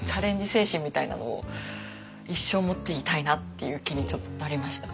精神みたいなのを一生持っていたいなっていう気にちょっとなりました。